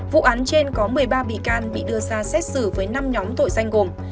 vụ án trên có một mươi ba bị can bị đưa ra xét xử với năm nhóm tội danh gồm